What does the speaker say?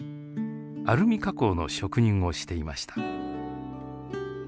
アルミ加工の職人をしていました。